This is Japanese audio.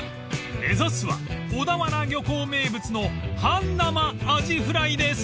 ［目指すは小田原漁港名物の半生アジフライです］